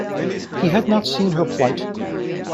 He had not seen her plight.